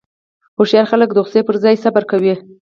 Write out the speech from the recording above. هوښیار خلک د غوسې پر ځای صبر کوي.